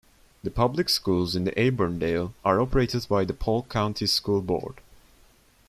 The public schools in Auburndale are operated by the Polk County School Board.